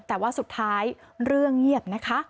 แต่ว่าสุดท้ายเรื่องเงียบนะคะ